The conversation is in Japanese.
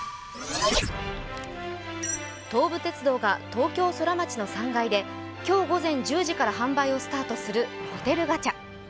東武鉄道が東京ソラマチの３階で今日午前１０時から販売をスタートするホテルガチャ。